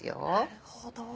なるほど。